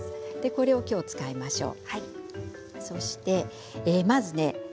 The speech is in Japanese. これをきょう使いましょう。